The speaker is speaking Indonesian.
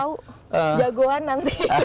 siapa tahu jagoan nanti